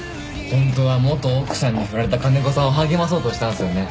ホントは元奥さんにフラれた金子さんを励まそうとしたんすよね？